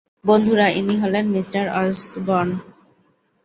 বন্ধুরা, ইনি হলেন মিস্টার অসবর্ন।